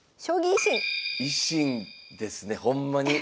維新ですねほんまに。